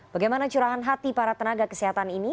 bagaimana curahan hati para tenaga kesehatan ini